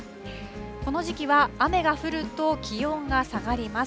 この時期は雨が降ると気温が下がります。